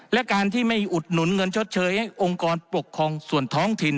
และการที่ไม่อุดหนุนเงินชดเชยให้องค์กรปกครองส่วนท้องถิ่น